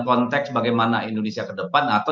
konteks bagaimana indonesia ke depan atau